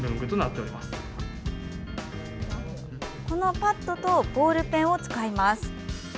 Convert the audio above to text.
このパッドとボールペンを使います。